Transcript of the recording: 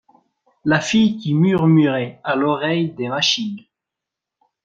la fille qui murmurait à l’oreille des machines.